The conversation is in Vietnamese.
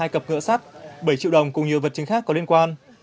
hai cặp cửa sắt bảy triệu đồng cùng nhiều vật chứng khác có liên quan